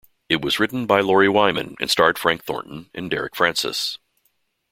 It was written by Lawrie Wyman and starred Frank Thornton and Derek Francis.